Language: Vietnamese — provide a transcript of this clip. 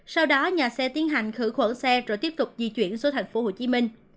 sau đó nhà xe tiến hành khử khuẩn xe rồi tiếp tục di chuyển xuống thành phố hồ chí minh